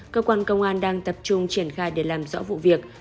cơ quan công an đang tập trung triển khai để làm rõ vụ việc